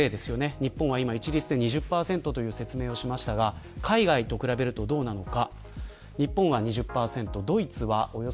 日本は一律で２０％という説明をしましたが海外と比べるとどうなのか。